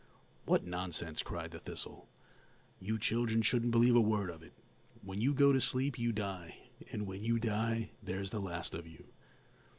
"What nonsense!" cried the thistle. "You children shouldn't believe a word of it. When you go to sleep you die, and when you die there's the last of you!"